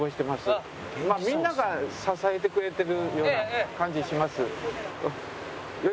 みんなが支えてくれてるような感じします。